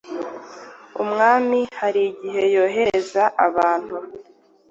Umwami hari igihe yoherezaga abantu